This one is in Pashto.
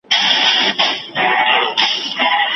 د پښتنو، په اوږده او له کړاوونو او غمیزو څخه ډک